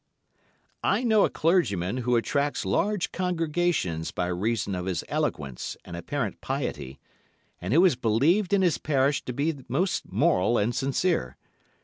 I know a clergyman who attracts large congregations by reason of his eloquence and apparent piety, and who is believed in his parish to be most moral and sincere.